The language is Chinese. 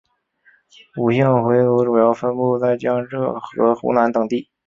伍姓回族主要分布在江浙和湖南等地。